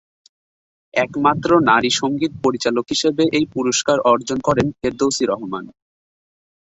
একমাত্র নারী সঙ্গীত পরিচালক হিসেবে এই পুরস্কার অর্জন করেন ফেরদৌসী রহমান।